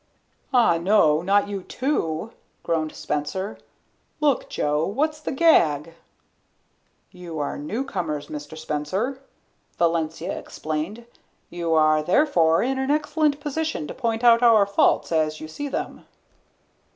"Ah, no, not you, too," groaned Spencer. "Look, Joe, what's the gag?" "You are newcomers, Mr. Spencer," Valencia explained. "You are therefore in an excellent position to point out our faults as you see them."